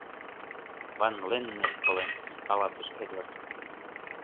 — Ван-Леннеп колен, — каласыш Эдвард.